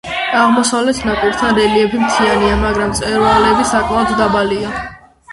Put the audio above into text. აღმოსავლეთ ნაპირთან რელიეფი მთიანია, მაგრამ მწვერვალები საკმაოდ დაბალია.